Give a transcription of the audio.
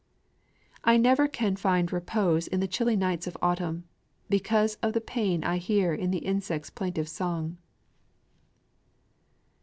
I never can find repose in the chilly nights of autumn, Because of the pain I hear in the insects' plaintive song.